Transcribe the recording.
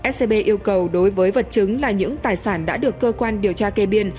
scb yêu cầu đối với vật chứng là những tài sản đã được cơ quan điều tra kê biên